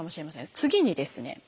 次にですね